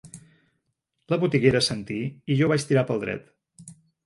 La botiguera assentí i jo vaig tirar pel dret.